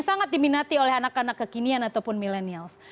sangat diminati oleh anak anak kekinian ataupun millennials